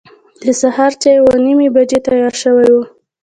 د سهار چای اوه نیمې بجې تیار شوی و.